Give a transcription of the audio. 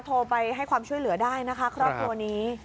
โทรไปให้ความช่วยเหลือได้นะคะครอบครัวนี้